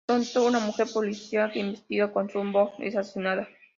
Pronto, una mujer policía que investiga con Sun Woo es asesinada.